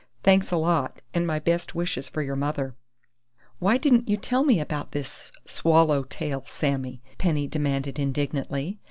Thanks a lot, and my best wishes for your mother!" "Why didn't you tell me about this 'Swallow tail Sammy'?" Penny demanded indignantly.